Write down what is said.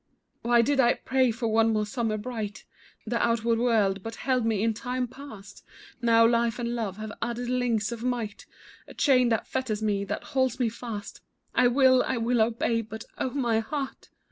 Why did I pray for one more summer bright, The outward world but held me in time past; Now, life and love have added links of might, A chain that fetters me, that holds me fast; I will, I will obey, but oh, my heart!